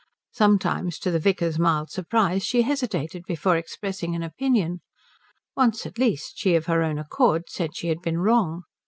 Sometimes to the vicar's mild surprise she hesitated before expressing an opinion. Once at least she of her own accord said she had been wrong.